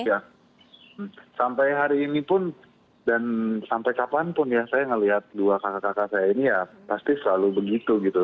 ya sampai hari ini pun dan sampai kapanpun ya saya melihat dua kakak kakak saya ini ya pasti selalu begitu gitu